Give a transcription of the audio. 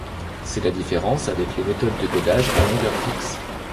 C'est la différence avec les méthodes de codage à longueur fixe.